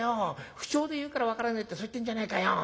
符丁で言うから分からねえってそう言ってんじゃねえかよ。